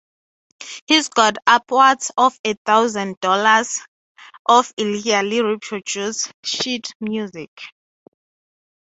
He’s got upwards of a thousand dollars of illegally reproduced sheet music.